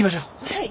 はい。